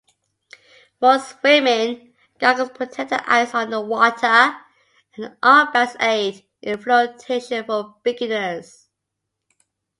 For swimming, goggles protect the eyes underwater, and armbands aid in flotation for beginners.